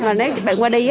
mà bạn qua đi